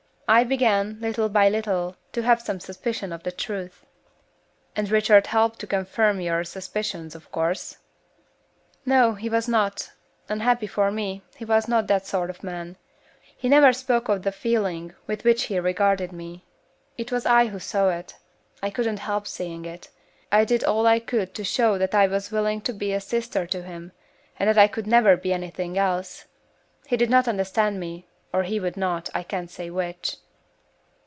I began, little by little, to have some suspicion of the truth." "And Richard helped to confirm your suspicions, of course?" "No. He was not unhappily for me he was not that sort of man. He never spoke of the feeling with which he regarded me. It was I who saw it. I couldn't help seeing it. I did all I could to show that I was willing to be a sister to him, and that I could never be anything else. He did not understand me, or he would not, I can't say which."